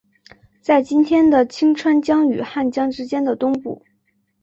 在今天的清川江与汉江之间的东部。